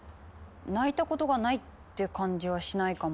泣いたことがないって感じはしないかも。